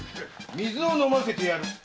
水を飲ませてやる〕